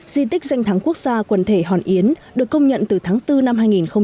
di tích danh thắng quốc gia quần thể hòn yến được công nhận từ tháng bốn năm hai nghìn một mươi